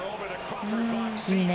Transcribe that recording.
いいねぇ。